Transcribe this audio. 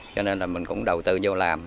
cho nên là mình cũng đầu tư vô làm